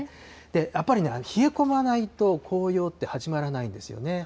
やっぱりね、冷え込まないと紅葉って始まらないんですよね。